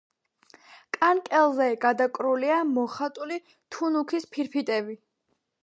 კანკელზე გადაკრულია მოხატული თუნუქის ფირფიტები.